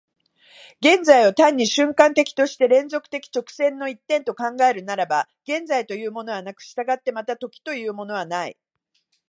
現在を単に瞬間的として連続的直線の一点と考えるならば、現在というものはなく、従ってまた時というものはない。